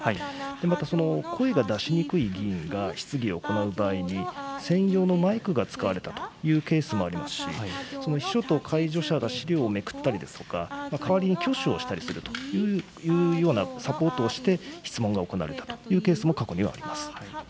また声が出しにくい議員が質疑を行う場合に、専用のマイクが使われたというケースもありますし、その秘書と介助者が資料をめくったりですとか、代わりに挙手をしたりするというようなサポートをして、質問が行われたというケー